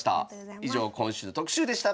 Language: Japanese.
以上今週の特集でした。